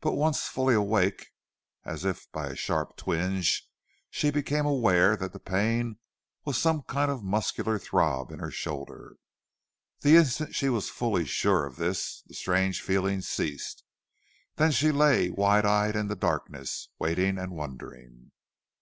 But once fully awakened, as if by a sharp twinge, she became aware that the pain was some kind of muscular throb in her shoulder. The instant she was fully sure of this the strange feeling ceased. Then she lay wide eyed in the darkness, waiting and wondering.